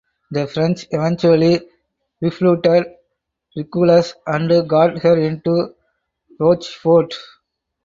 The French eventually refloated "Regulus" and got her into Rochefort.